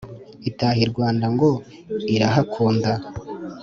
Itaha i Rwanda ngo irahakunda